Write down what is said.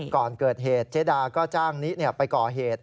ก่อนเกิดเหตุเจ๊ดาก็จ้างนิไปก่อเหตุ